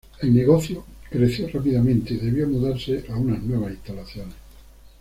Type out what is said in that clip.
El negocio creció rápidamente, y debió mudarse a a unas nuevas instalaciones.